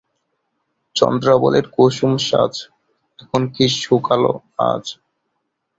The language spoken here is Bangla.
চন্দ্রাবলীর কুসুমসাজ এখনি কি শুকাল আজ?